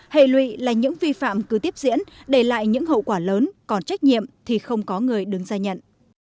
hệ lụy là những vi phạm cứ tiếp diễn để lại những hậu quả lớn còn trách nhiệm thì không có người đứng ra nhận